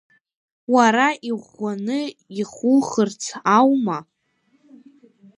Уара иӷәӷәаны ихухырц аума?